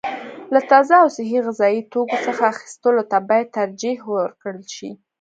له تازه او صحي غذايي توکو څخه اخیستلو ته باید ترجیح ورکړل شي.